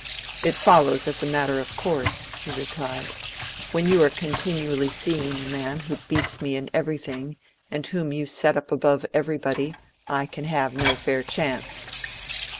"It follows as a matter of course," he replied. "When you are continually seeing a man who beats me in everything, and whom you set up above everybody, I can have no fair chance."